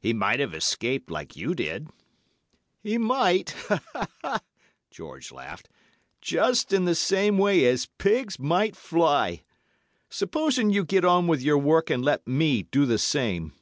"'He might have escaped like you did.' "'He might,' George laughed, 'just in the same way as pigs might fly. Supposing you get on with your work and let me do the same.